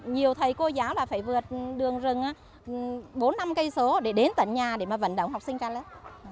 nhiều thầy cô giáo là phải vượt đường rừng bốn năm cây số để đến tận nhà để mà vận động học sinh ra lớp